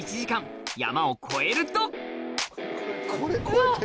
うわっ！